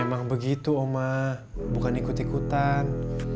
memang begitu omah bukan ikut ikutan